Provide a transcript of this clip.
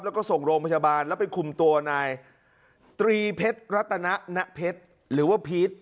แล้วก็ส่งโรงพยาบาลแล้วไปคุมตัวนายตรีเพชรัตนเพชรหรือว่าพีช